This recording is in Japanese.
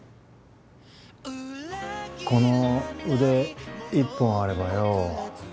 この腕一本あればよ